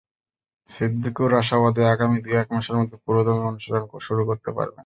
সিদ্দিকুর আশাবাদী, আগামী দু-এক মাসের মধ্যে পুরোদমে অনুশীলন শুরু করতে পারবেন।